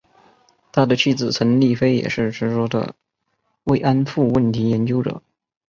他的妻子陈丽菲也是执着的慰安妇问题研究者。